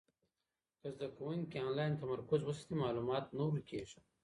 که زده کوونکی انلاین تمرکز وساتي، معلومات نه ورکېږي.